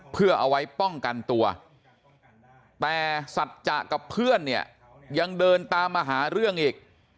เพื่อเอาไว้ป้องกันตัวแต่สัจจะกับเพื่อนเนี่ยยังเดินตามมาหาเรื่องอีก